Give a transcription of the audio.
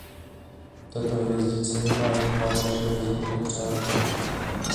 Tato hvězdice má jen málo přirozených nepřátel.